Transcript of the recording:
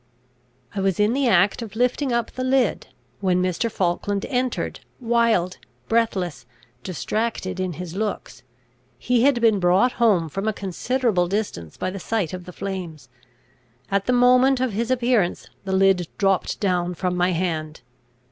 I was in the act of lifting up the lid, when Mr. Falkland entered, wild, breathless, distracted in his looks! He had been brought home from a considerable distance by the sight of the flames. At the moment of his appearance the lid dropped down from my hand.